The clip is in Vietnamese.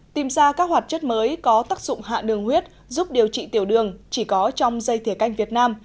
tìm ra các hoạt chất mới có tác dụng hạ đường huyết giúp điều trị tiểu đường chỉ có trong dây thiều canh việt nam